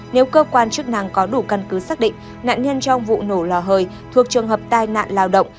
nếu cơ quan chức năng có đủ căn cứ xác định nạn nhân trong vụ nổ lò hơi thuộc trường hợp tai nạn lao động